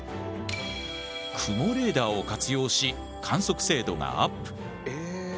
雲レーダーを活用し観測精度がアップ。